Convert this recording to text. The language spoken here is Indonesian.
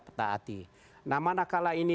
petaati nah mana kala ini